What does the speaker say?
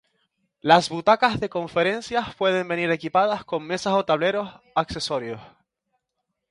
Las butacas de conferencias pueden venir equipadas con mesas o tableros accesorios.